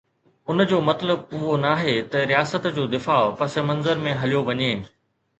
ان جو مطلب اهو ناهي ته رياست جو دفاع پس منظر ۾ هليو وڃي.